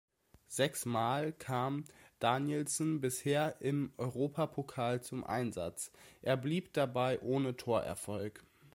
Sechs Mal kam Danielsen bisher im Europapokal zum Einsatz, er blieb dabei ohne Torerfolg.